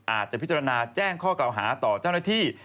อาจจะพิจารณาแจ้งข้อเก่าหาต่อเจ้าหน้าที่